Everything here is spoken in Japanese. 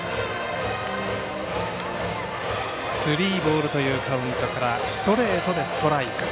スリーボールというカウントからストレートでストライク。